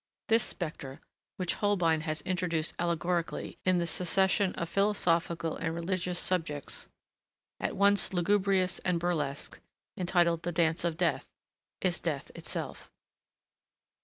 This spectre, which Holbein has introduced allegorically in the succession of philosophical and religious subjects, at once lugubrious and burlesque, entitled the Dance of Death, is Death itself.